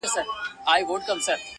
له کوهي د منګوټیو را ایستل وه -